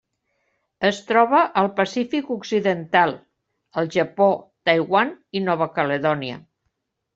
Es troba al Pacífic occidental: el Japó, Taiwan i Nova Caledònia.